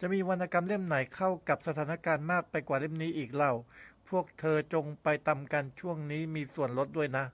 จะมีวรรณกรรมเล่มไหนเข้ากับสถานการณ์มากไปกว่าเล่มนี้อีกเล่า พวกเธอว์จงไปตำกัน ช่วงนี้มีส่วนลดด้วยนะ